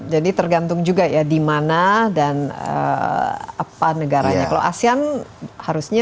jadi tergantung juga ya di mana dan apa negaranya kalau asean harusnya